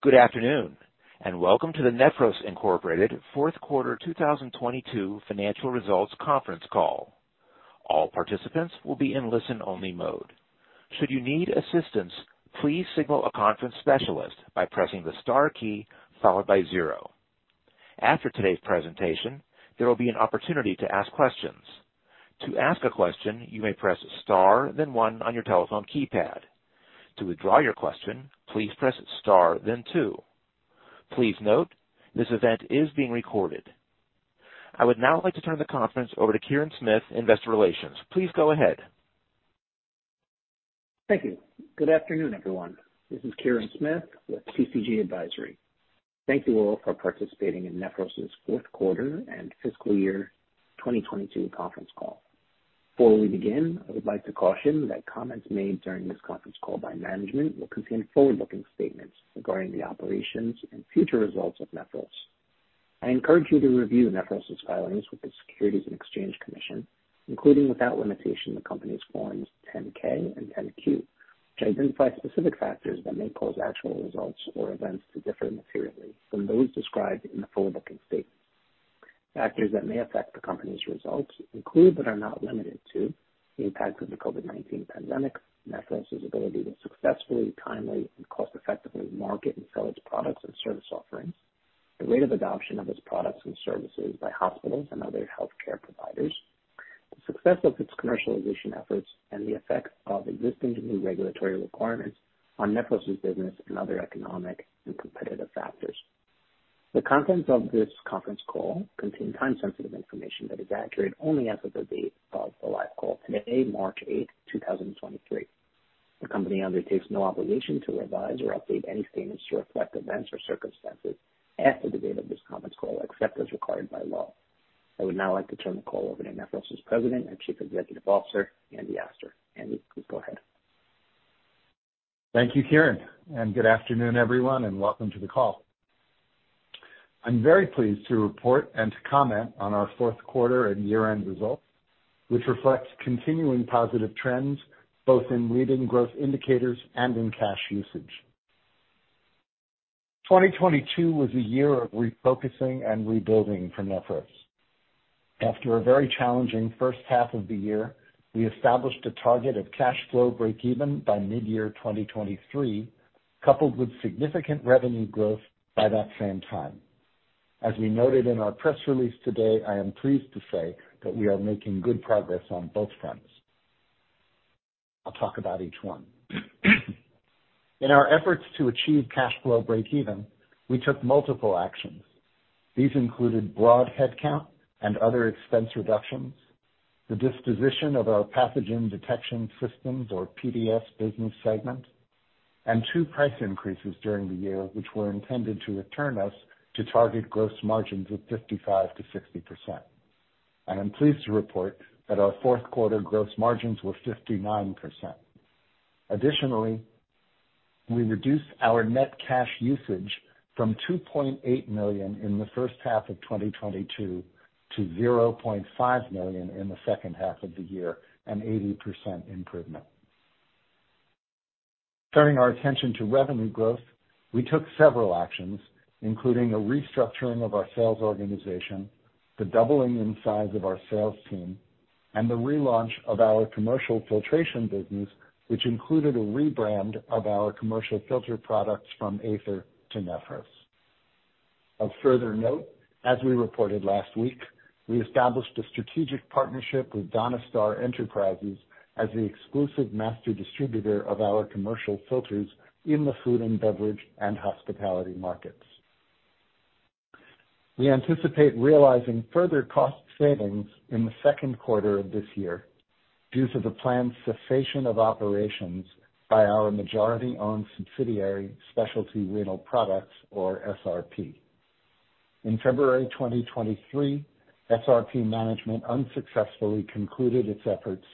Good afternoon, welcome to the Nephros, Inc. fourth quarter 2022 financial results conference call. All participants will be in listen-only mode. Should you need assistance, please signal a conference specialist by pressing the star key followed by zero. After today's presentation, there will be an opportunity to ask questions. To ask a question, you may press star then one on your telephone keypad. To withdraw your question, please press star then two. Please note, this event is being recorded. I would now like to turn the conference over to Kirin Smith, Investor Relations. Please go ahead. Thank you. Good afternoon, everyone. This is Kirin Smith with PCG Advisory. Thank you all for participating in Nephros's fourth quarter and fiscal year 2022 conference call. Before we begin, I would like to caution that comments made during this conference call by management will contain forward-looking statements regarding the operations and future results of Nephros. I encourage you to review Nephros's filings with the Securities and Exchange Commission, including, without limitation, the company's forms 10-K and 10-Q, which identify specific factors that may cause actual results or events to differ materially from those described in the forward-looking statements. Factors that may affect the company's results include, but are not limited to, the impact of the COVID-19 pandemic, Nephros's ability to successfully, timely, and cost-effectively market and sell its products and service offerings, the rate of adoption of its products and services by hospitals and other healthcare providers, the success of its commercialization efforts, and the effect of existing new regulatory requirements on Nephros's business and other economic and competitive factors. The contents of this conference call contain time-sensitive information that is accurate only as of the date of the live call, today, March eighth, two thousand twenty-three. The company undertakes no obligation to revise or update any statements to reflect events or circumstances after the date of this conference call, except as required by law. I would now like to turn the call over to Nephros's President and Chief Executive Officer, Andy Astor. Andy, please go ahead. Thank you, Kirin. Good afternoon, everyone, and welcome to the call. I'm very pleased to report and to comment on our fourth quarter and year-end results, which reflects continuing positive trends, both in leading growth indicators and in cash usage. 2022 was a year of refocusing and rebuilding for Nephros. After a very challenging first half of the year, we established a target of cash flow breakeven by mid-year 2023, coupled with significant revenue growth by that same time. As we noted in our press release today, I am pleased to say that we are making good progress on both fronts. I'll talk about each one. In our efforts to achieve cash flow breakeven, we took multiple actions. These included broad headcount and other expense reductions, the disposition of our pathogen detection systems or PDS business segment, 2 price increases during the year, which were intended to return us to target gross margins of 55%-60%. I'm pleased to report that our fourth quarter gross margins were 59%. Additionally, we reduced our net cash usage from $2.8 million in the first half of 2022 to $0.5 million in the second half of the year, an 80% improvement. Turning our attention to revenue growth, we took several actions, including a restructuring of our sales organization, the doubling in size of our sales team, and the relaunch of our commercial filtration business, which included a rebrand of our commercial filter products from AETHER to Nephros. Of further note, as we reported last week, we established a strategic partnership with Donastar Enterprises as the exclusive master distributor of our commercial filters in the food and beverage and hospitality markets. We anticipate realizing further cost savings in the second quarter of this year due to the planned cessation of operations by our majority-owned subsidiary, Specialty Renal Products, or SRP. In February 2023, SRP management unsuccessfully concluded its efforts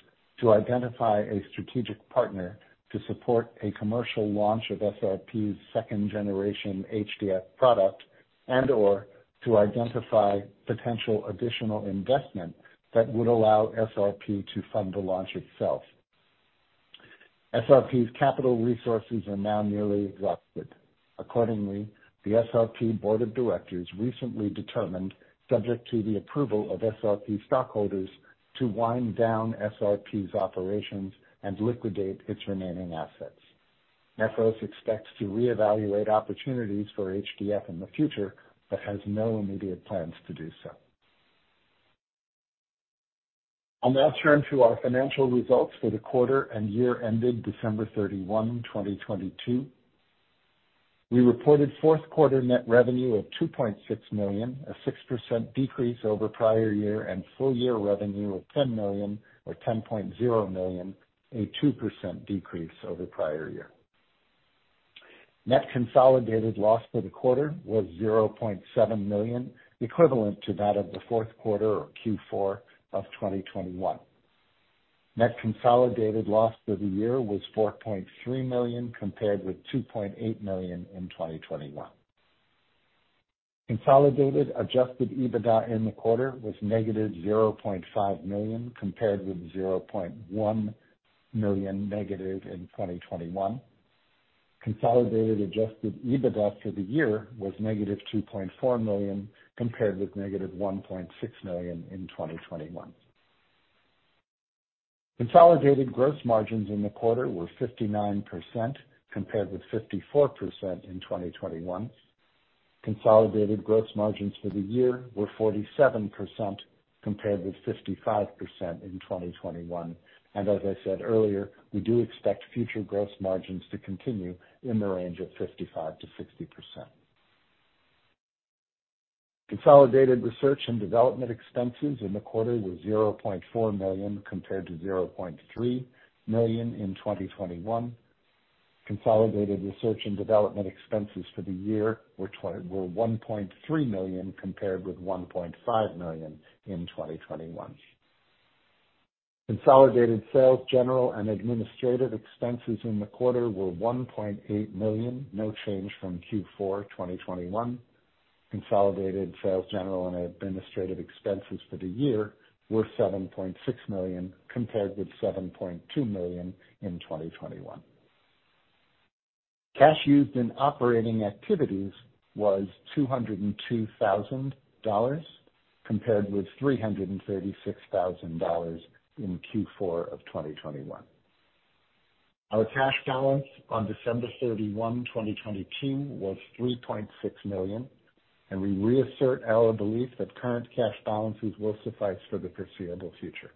to identify a strategic partner to support a commercial launch of SRP's second generation HDF product and/or to identify potential additional investment that would allow SRP to fund the launch itself. SRP's capital resources are now nearly exhausted. Accordingly, the SRP board of directors recently determined, subject to the approval of SRP stockholders, to wind down SRP's operations and liquidate its remaining assets. Nephros expects to reevaluate opportunities for HDF in the future, but has no immediate plans to do so. I'll now turn to our financial results for the quarter and year ended December 31, 2022. We reported fourth quarter net revenue of $2.6 million, a 6% decrease over prior year, and full year revenue of $10 million or $10.0 million, a 2% decrease over prior year. Net consolidated loss for the quarter was $0.7 million, equivalent to that of the fourth quarter or Q4 of 2021. Net consolidated loss for the year was $4.3 million, compared with $2.8 million in 2021. Consolidated adjusted EBITDA in the quarter was negative $0.5 million, compared with $0.1 million negative in 2021. Consolidated adjusted EBITDA for the year was -$2.4 million, compared with -$1.6 million in 2021. Consolidated gross margins in the quarter were 59%, compared with 54% in 2021. Consolidated gross margins for the year were 47%, compared with 55% in 2021. As I said earlier, we do expect future gross margins to continue in the range of 55%-60%. Consolidated research and development expenses in the quarter were $0.4 million, compared to $0.3 million in 2021. Consolidated research and development expenses for the year were $1.3 million, compared with $1.5 million in 2021. Consolidated sales, general and administrative expenses in the quarter were $1.8 million, no change from Q4 2021. Consolidated sales, general and administrative expenses for the year were $7.6 million, compared with $7.2 million in 2021. Cash used in operating activities was $202,000, compared with $336,000 in Q4 of 2021. Our cash balance on December 31, 2022 was $3.6 million, and we reassert our belief that current cash balances will suffice for the foreseeable future.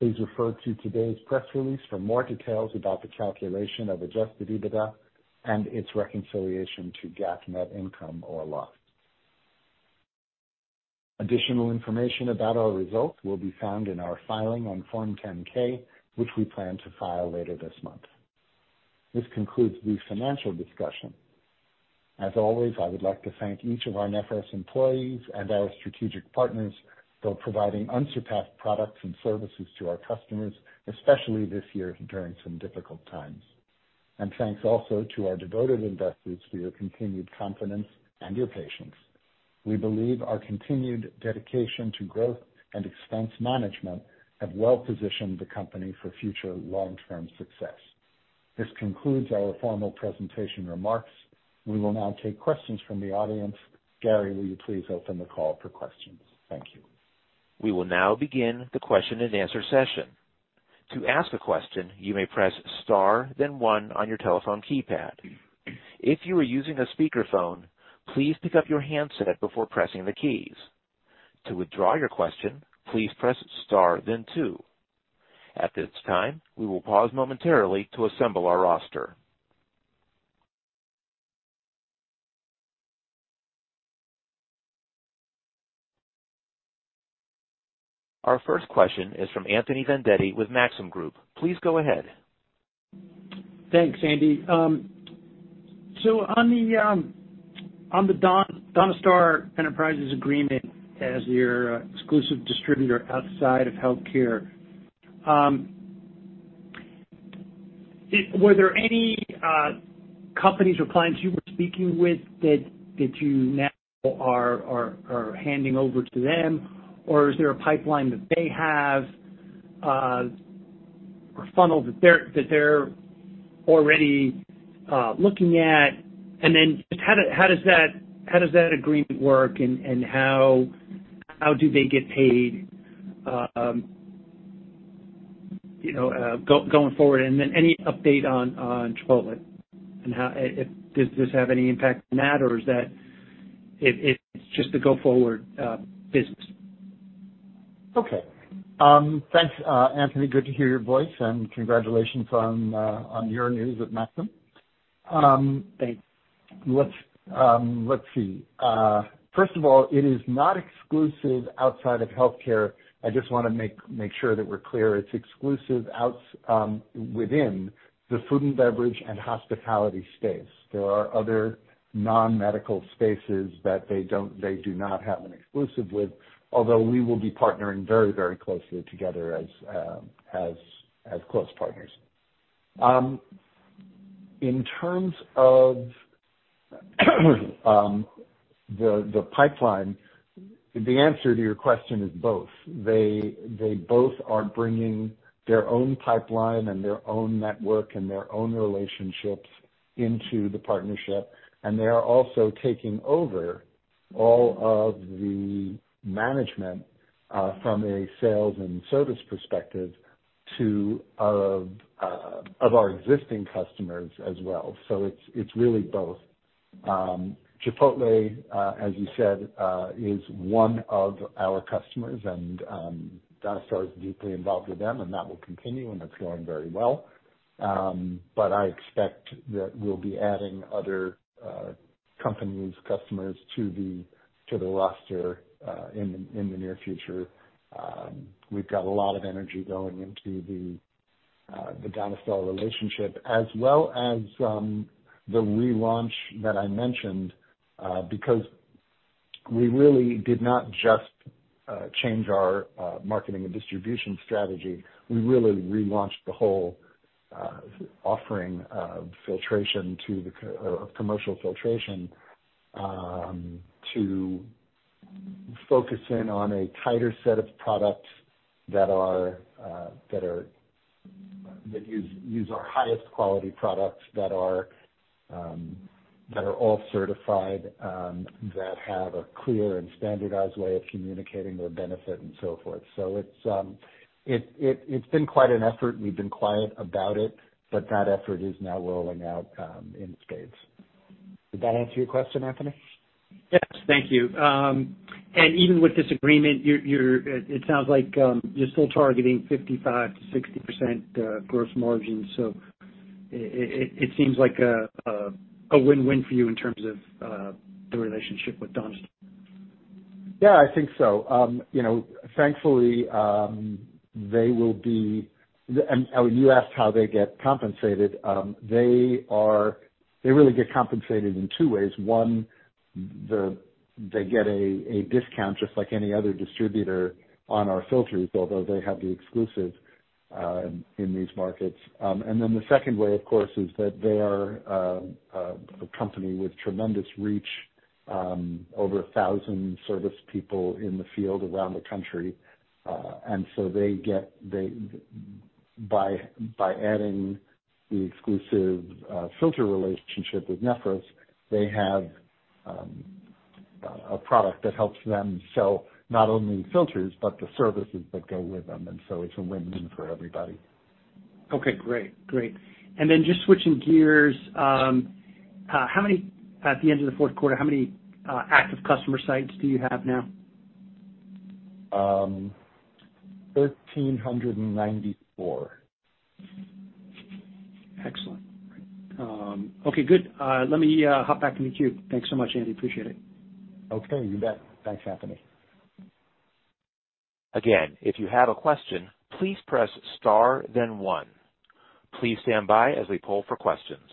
Please refer to today's press release for more details about the calculation of adjusted EBITDA and its reconciliation to GAAP net income or loss. Additional information about our results will be found in our filing on Form 10-K, which we plan to file later this month. This concludes the financial discussion. As always, I would like to thank each of our Nephros employees and our strategic partners for providing unsurpassed products and services to our customers, especially this year during some difficult times. Thanks also to our devoted investors for your continued confidence and your patience. We believe our continued dedication to growth and expense management have well-positioned the company for future long-term success. This concludes our formal presentation remarks. We will now take questions from the audience. Gary, will you please open the call for questions? Thank you. We will now begin the question-and-answer session. To ask a question, you may press star then 1 on your telephone keypad. If you are using a speakerphone, please pick up your handset before pressing the keys. To withdraw your question, please press star then 2. At this time, we will pause momentarily to assemble our roster. Our first question is from Anthony Vendetti with Maxim Group. Please go ahead. Thanks, Andy. On the Donastar Enterprises agreement as your exclusive distributor outside of healthcare, were there any companies or clients you were speaking with that you now are handing over to them? Is there a pipeline that they have or funnel that they're already looking at? Just how does that agreement work and how do they get paid, you know, going forward? Any update on Chipotle and how if does this have any impact on that or is that it's just the go-forward business? Okay. Thanks, Anthony, good to hear your voice and congratulations on your news at Maxim. Thanks. Let's see. First of all, it is not exclusive outside of healthcare. I just wanna make sure that we're clear. It's exclusive within the food and beverage and hospitality space. There are other non-medical spaces that they don't, they do not have an exclusive with, although we will be partnering very, very closely together as close partners. In terms of the pipeline, the answer to your question is both. They both are bringing their own pipeline and their own network and their own relationships into the partnership, and they are also taking over all of the management from a sales and service perspective to of our existing customers as well. It's really both. Chipotle, as you said, is one of our customers and Donastar is deeply involved with them and that will continue and it's going very well. I expect that we'll be adding other companies, customers to the roster in the near future. We've got a lot of energy going into the Donastar relationship as well as the relaunch that I mentioned. We really did not just change our marketing and distribution strategy. We really relaunched the whole offering of filtration or commercial filtration to focus in on a tighter set of products that are that use our highest quality products that are all certified that have a clear and standardized way of communicating their benefit and so forth. It's been quite an effort. We've been quiet about it, but that effort is now rolling out in spades. Did that answer your question, Anthony? Yes. Thank you. Even with this agreement, you're, it sounds like, you're still targeting 55%-60% gross margin. It seems like a win-win for you in terms of the relationship with Donastar. Yeah, I think so. You know, thankfully, they will be... You asked how they get compensated. They really get compensated in 2 ways. One, they get a discount, just like any other distributor on our filters, although they have the exclusive in these markets. The second way, of course, is that they are a company with tremendous reach, over 1,000 service people in the field around the country. They, by adding the exclusive filter relationship with Nephros, they have a product that helps them sell not only filters, but the services that go with them. It's a win-win for everybody. Okay, great. Great. Then just switching gears, At the end of the fourth quarter, how many active customer sites do you have now? Um, thirteen hundred and ninety-four. Excellent. Okay, good. Let me hop back in the queue. Thanks so much, Andy. Appreciate it. Okay, you bet. Thanks, Anthony. If you have a question, please press star then one. Please stand by as we poll for questions.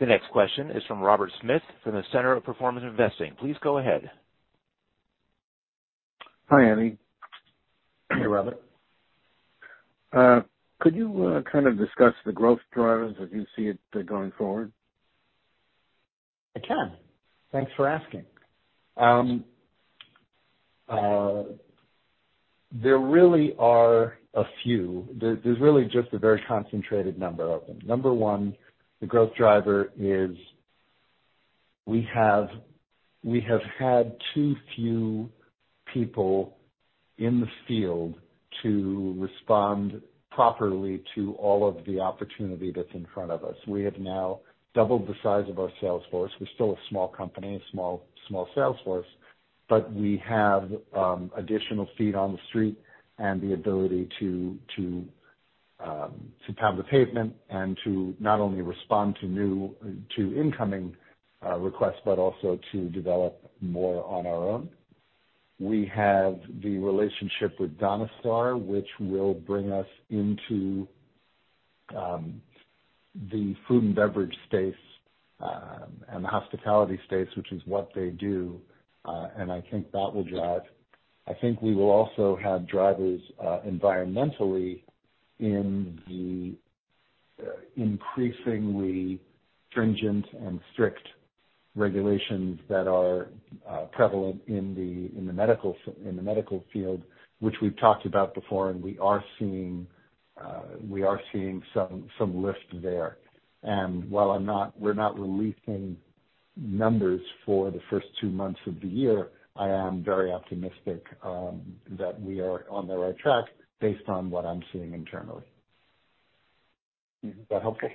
The next question is from Robert Smith from the Center of Performance Investing. Please go ahead. Hi, Andy. Hey, Robert. could you, kind of discuss the growth drivers as you see it going forward? I can. Thanks for asking. There really are a few. There's really just a very concentrated number of them. Number one, the growth driver is we have had too few people in the field to respond properly to all of the opportunity that's in front of us. We have now doubled the size of our sales force. We're still a small company, a small sales force, but we have additional feet on the street and the ability to pound the pavement and to not only respond to new, to incoming requests, but also to develop more on our own. We have the relationship with Donastar, which will bring us into the food and beverage space and the hospitality space, which is what they do. I think that will drive. I think we will also have drivers, environmentally in the increasingly stringent and strict regulations that are prevalent in the medical field, which we've talked about before, and we are seeing some lift there. While we're not releasing numbers for the first 2 months of the year, I am very optimistic that we are on the right track based on what I'm seeing internally. Is that helpful? Yeah.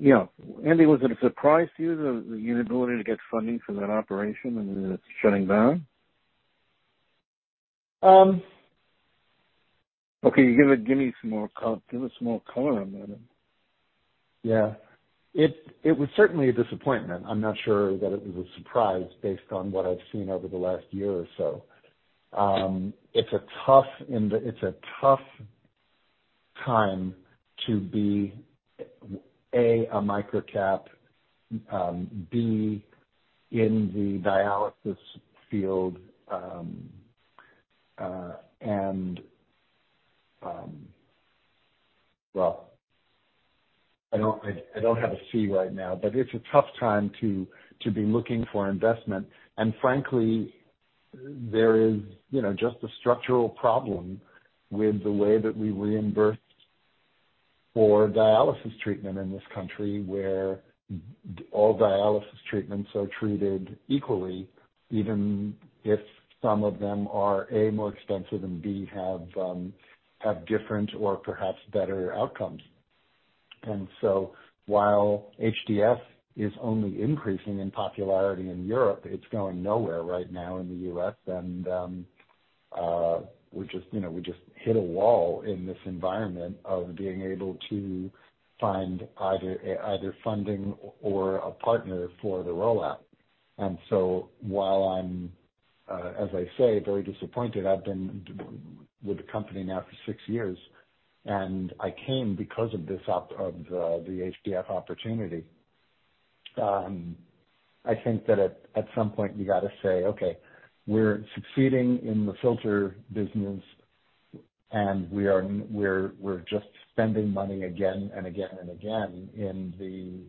Andy, was it a surprise to you the inability to get funding for that operation and it's shutting down? Um. Okay. Give it some more color on that. It was certainly a disappointment. I'm not sure that it was a surprise based on what I've seen over the last year or so. It's a tough time to be, A, a microcap, B, in the dialysis field. Well, I don't have a C right now, but it's a tough time to be looking for investment. Frankly, there is, you know, just a structural problem with the way that we reimburse for dialysis treatment in this country, where all dialysis treatments are treated equally, even if some of them are, A, more expensive and B, have different or perhaps better outcomes. While HDF is only increasing in popularity in Europe, it's going nowhere right now in the US. We just, you know, we just hit a wall in this environment of being able to find either funding or a partner for the rollout. While I'm, as I say, very disappointed, I've been with the company now for six years, and I came because of this of the HDF opportunity. I think that at some point you got to say, "Okay, we're succeeding in the filter business, and we are, we're just spending money again and again and again in the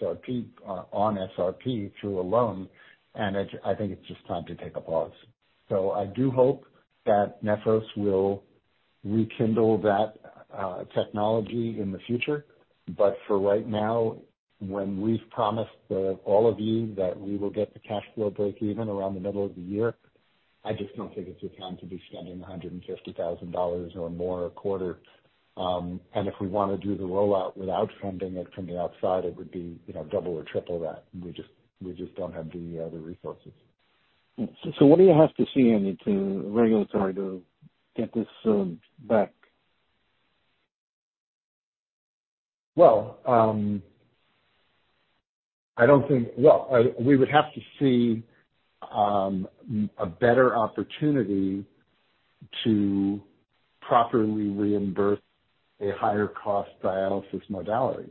SRP, on SRP through a loan, and I think it's just time to take a pause." I do hope that Nephros will rekindle that technology in the future. For right now, when we've promised, all of you that we will get to cash flow breakeven around the middle of the year, I just don't think it's the time to be spending $150,000 or more a quarter. If we wanna do the rollout without funding it from the outside, it would be, you know, double or triple that. We just don't have the other resources. What do you have to see, I mean, regulatory to get this back? Well, we would have to see a better opportunity to properly reimburse a higher cost dialysis modality.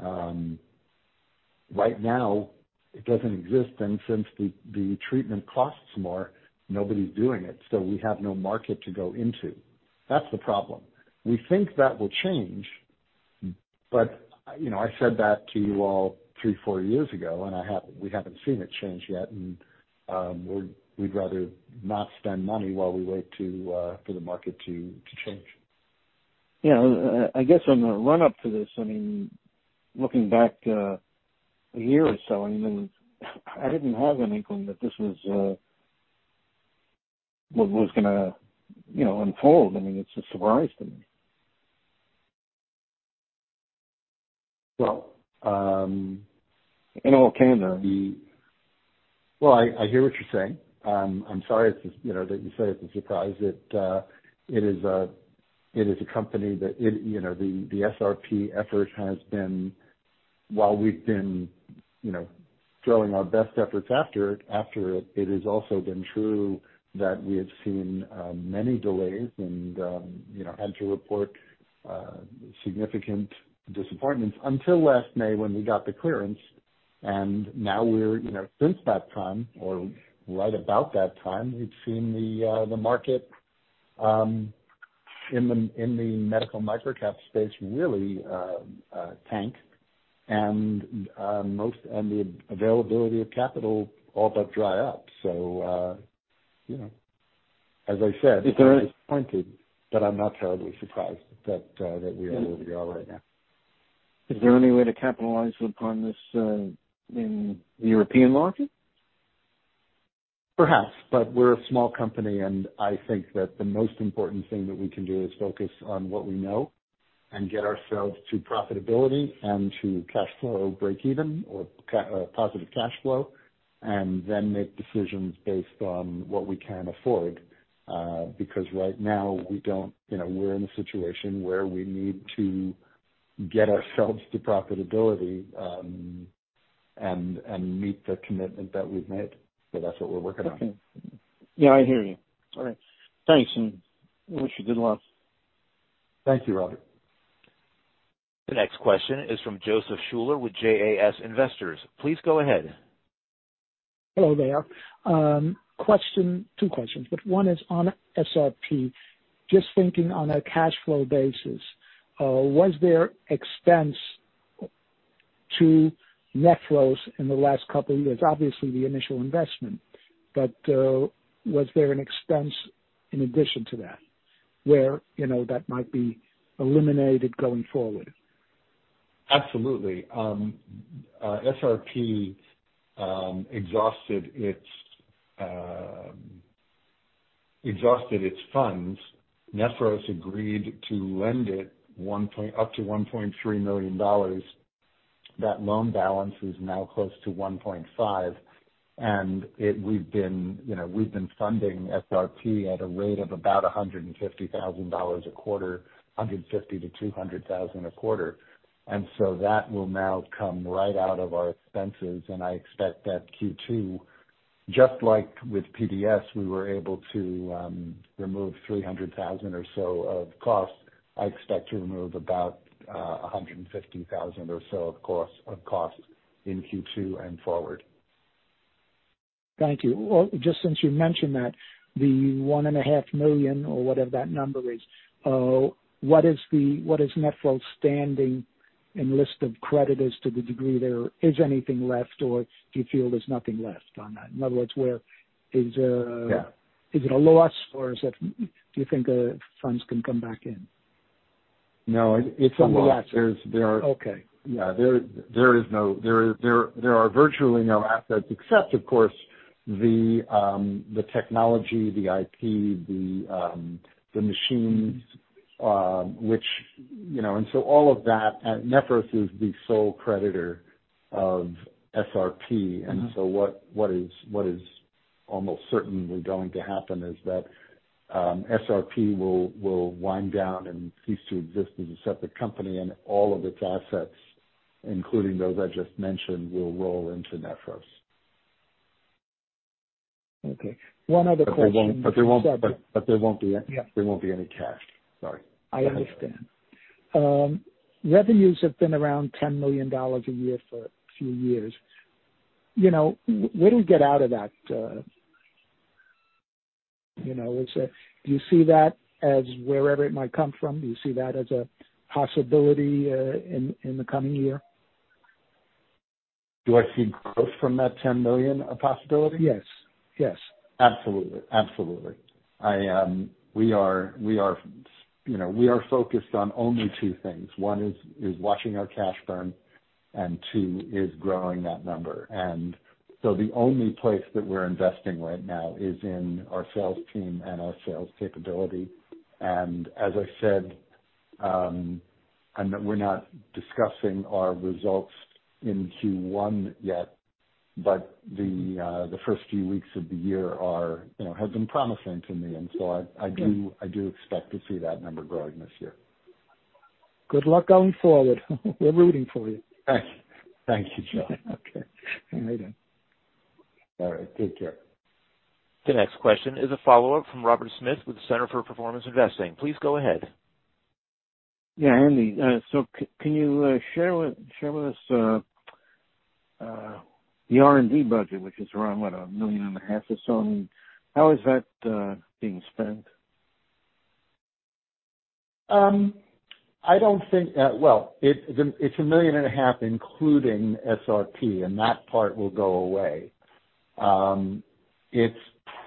Right now it doesn't exist, and since the treatment costs more, nobody's doing it, so we have no market to go into. That's the problem. We think that will change, but, you know, I said that to you all 3, 4 years ago, and we haven't seen it change yet, and we'd rather not spend money while we wait for the market to change. Yeah. I guess on the run up to this, I mean, looking back, a year or so, I mean, I didn't have an inkling that this was, what was gonna, you know, unfold. I mean, it's a surprise to me. Well, it all came. Well, I hear what you're saying. I'm sorry it's, you know, that you say it's a surprise. It is a company that it, you know, the SRP effort has been while we've been, you know, throwing our best efforts after it has also been true that we have seen many delays and, you know, had to report significant disappointments until last May when we got the clearance. Now we're, you know, since that time, or right about that time, we've seen the market in the medical microcap space, really tank and most, and the availability of capital all but dry up. You know, as I said, I'm disappointed, but I'm not terribly surprised that we are where we are right now. Is there any way to capitalize upon this in the European market? We're a small company, and I think that the most important thing that we can do is focus on what we know and get ourselves to profitability and to cash flow breakeven or positive cash flow, and then make decisions based on what we can afford. Right now we don't... You know, we're in a situation where we need to get ourselves to profitability, and meet the commitment that we've made. That's what we're working on. Yeah, I hear you. All right. Thanks. Wish you good luck. Thank you, Robert. The next question is from Joseph Schuler with JAS Investors. Please go ahead. Hello there. Question, 2 questions, but one is on SRP. Just thinking on a cash flow basis, was there expense to Nephros in the last couple of years? Obviously the initial investment, but, was there an expense in addition to that where, you know, that might be eliminated going forward? Absolutely. SRP exhausted its funds. Nephros agreed to lend it up to $1.3 million. That loan balance is now close to $1.5 million. We've been, you know, funding SRP at a rate of about $150,000 a quarter, $150,000-$200,000 a quarter. That will now come right out of our expenses. I expect that Q2, just like with PDS, we were able to remove $300,000 or so of costs. I expect to remove about $150,000 or so of costs in Q2 and forward. Thank you. Well, just since you mentioned that, the one and a half million or whatever that number is, what is Nephros standing in list of creditors to the degree there is anything left? Do you feel there's nothing left on that? In other words, where is. Yeah. Is it a loss or do you think funds can come back in? No, it's a loss. Okay. There are. Yeah, there are virtually no assets except of course, the technology, the IP, the machines, which, you know. All of that at Nephros is the sole creditor of SRP. Mm-hmm. What is almost certainly going to happen is that SRP will wind down and cease to exist as a separate company and all of its assets, including those I just mentioned, will roll into Nephros. Okay, one other question. There won't be. Yeah. There won't be any cash. Sorry. I understand. Revenues have been around $10 million a year for a few years. You know, where do we get out of that, you know, Do you see that as wherever it might come from, do you see that as a possibility in the coming year? Do I see growth from that $10 million a possibility? Yes. Yes. Absolutely. Absolutely. I, we are, you know, we are focused on only two things. One is watching our cash burn, and two is growing that number. The only place that we're investing right now is in our sales team and our sales capability. As I said, we're not discussing our results in Q1 yet, the first few weeks of the year are, you know, have been promising to me. I do expect to see that number growing this year. Good luck going forward. We're rooting for you. Thank you, Joseph. Okay. Later. All right. Take care. The next question is a follow-up from Robert Smith with the Center for Performance Investing. Please go ahead. Andy, can you share with us the R&D budget, which is around, what, $1.5 million or so? How is that being spent? I don't think. Well, it's a million and a half including SRP, and that part will go away. It's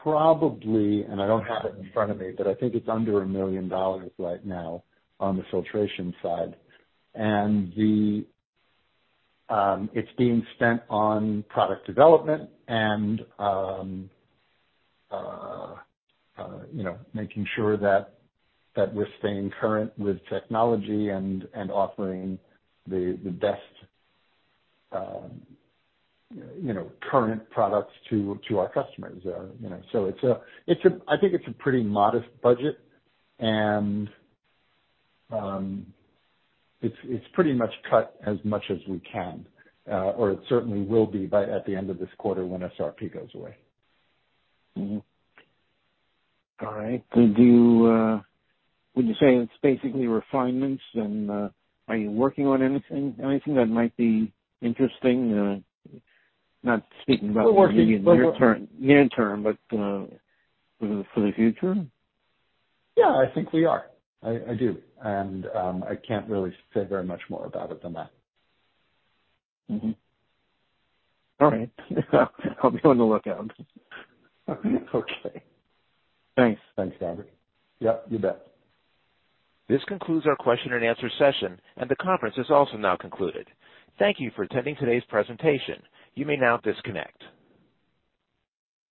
probably, and I don't have it in front of me, but I think it's under $1 million right now on the filtration side. The it's being spent on product development and, you know, making sure that we're staying current with technology and offering the best, you know, current products to our customers. You know, it's a I think it's a pretty modest budget and it's pretty much cut as much as we can, or it certainly will be by at the end of this quarter when SRP goes away. All right. Do you, would you say it's basically refinements and, are you working on anything that might be interesting? Not speaking about- We're working- Maybe in the near term, but for the future? Yeah, I think we are. I do. I can't really say very much more about it than that. All right. I'll be on the lookout. Okay. Thanks. Thanks, Robert. Yep, you bet. This concludes our question and answer session. The conference is also now concluded. Thank you for attending today's presentation. You may now disconnect.